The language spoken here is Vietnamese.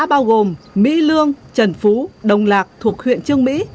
bao gồm mỹ lương trần phú đông lạc thuộc huyện trương mỹ